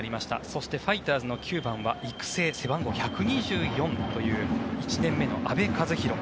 そして、ファイターズの９番は育成、背番号１２４という１年目の阿部和広。